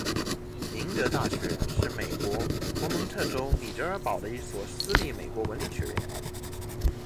明德大学是美国佛蒙特州米德尔堡的一所私立美国文理学院。